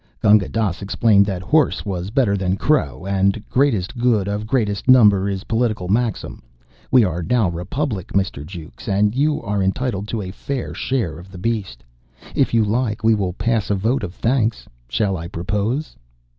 Gunga Dass explained that horse was better than crow, and "greatest good of greatest number is political maxim. We are now Republic, Mister Jukes, and you are entitled to a fair share of the beast. If you like, we will pass a vote of thanks. Shall I propose?"